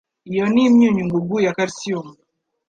Iyo ni Imyunyungugu ya calcium